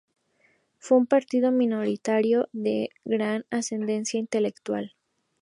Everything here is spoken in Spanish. Fue un partido minoritario pero de gran ascendencia intelectual.